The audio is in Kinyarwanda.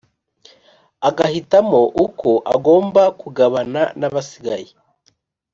agahitamo uko agomba kugabana nabasigaye.